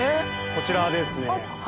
こちらですね。